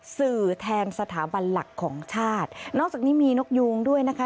สื่อแทนสถาบันหลักของชาตินอกจากนี้มีนกยูงด้วยนะคะ